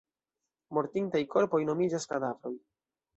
Mortintaj korpoj nomiĝas kadavroj.